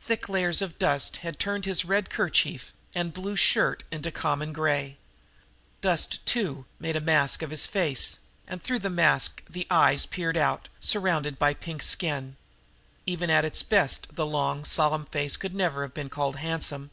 Thick layers of dust had turned his red kerchief and his blue shirt to a common gray. Dust, too, made a mask of his face, and through that mask the eyes peered out, surrounded by pink skin. Even at its best the long, solemn face could never have been called handsome.